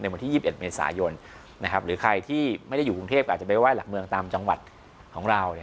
วันที่๒๑เมษายนหรือใครที่ไม่ได้อยู่กรุงเทพก็อาจจะไปไห้หลักเมืองตามจังหวัดของเรา